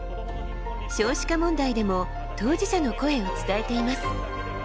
少子化問題でも当事者の声を伝えています。